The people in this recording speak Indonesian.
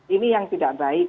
ini yang tidak baik